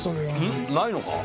ん？ないのか？